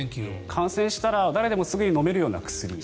感染したら誰でもすぐに飲めるような薬。